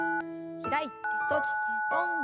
開いて閉じて跳んで。